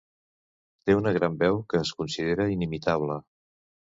Té una gran veu que es considera inimitable.